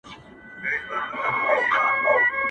دلته دوه رنګي ده په دې ښار اعتبار مه کوه،